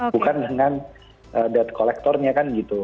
bukan dengan debt collector nya kan gitu